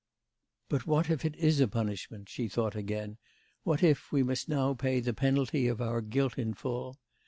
'But what, if it is a punishment,' she thought again; 'what, if we must now pay the penalty of our guilt in full?